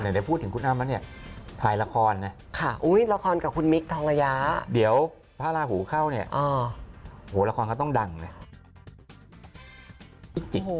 เดี๋ยวได้พูดถึงคุณอ้ำแล้วเนี่ยถ่ายละครเนี่ยละครกับคุณมิคทองระยะเดี๋ยวพระราหูเข้าเนี่ยโหละครเขาต้องดังเลย